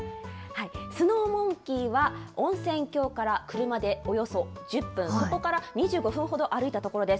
スノーモンキーは、温泉郷から車でおよそ１０分、そこから２５分ほど歩いた所です。